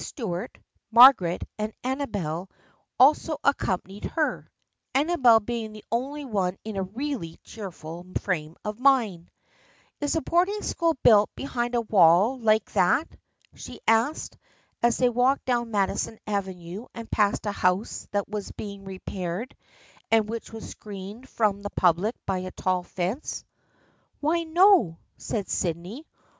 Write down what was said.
Stuart, Margaret and Amabel also accompanied her, Amabel being the only one in a really cheerful frame of mind. " Is a boarding school built behind a wall like that?" she asked, as they walked down Madison Avenue and passed a house that was being repaired and which was screened from the public by a tall fence. " Why, no," said Sydney.